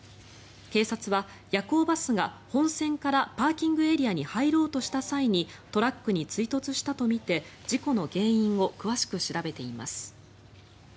警察は夜行バスが本線からパーキングエリアに入ろうとした際にトラックに追突したとみて事故の原因を詳しく調べています。